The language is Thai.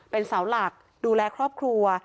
เป็นเสาหลักดูแลครอบครัว